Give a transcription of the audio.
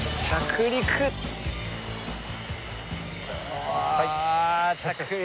うわ着陸。